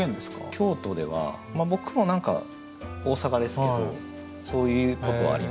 京都ではまあ僕も何か大阪ですけどそういうことありますね。